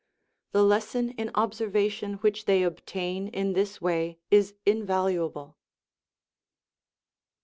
The lesson in observation w^hich they obtain in this way is invaluable.